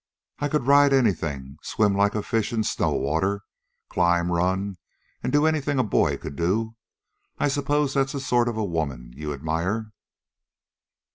"I could ride anything, swim like a fish in snow water, climb, run, and do anything a boy could do. I suppose that's the sort of a woman you admire?"